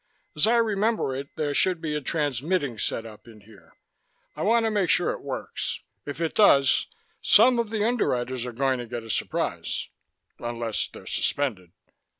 "As I remember it, there should be a transmitting setup in here. I want to make sure it works. If it does, some of the Underwriters are going to get a surprise, unless they're suspended."